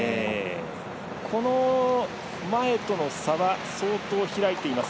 この前との差は相当、開いています。